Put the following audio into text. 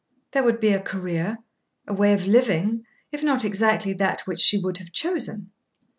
There would be a career, a way of living, if not exactly that which she would have chosen.